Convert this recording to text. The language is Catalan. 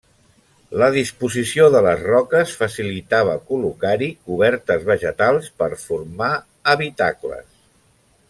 La disposició de les roques facilitava col·locar-hi cobertes vegetals per formar habitacles.